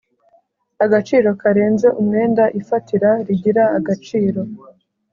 agaciro karenze umwenda ifatira rigira agaciro